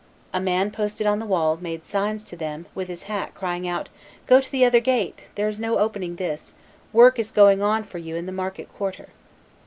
A man posted on the wall made signs to them with his hat, crying out, "Go to the other gate; there's no opening this; work is going on for you in the Market quarter."